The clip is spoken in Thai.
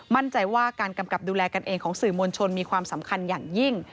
มั่นใจว่าการกำกับดูแลกันเองของสื่อมวลชนมีความสำคัญอย่างยิ่ง